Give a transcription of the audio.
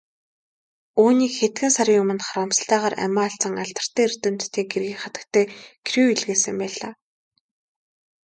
Үүнийг хэдхэн сарын өмнө харамсалтайгаар амиа алдсан алдартай эрдэмтний гэргий хатагтай Кюре илгээсэн байлаа.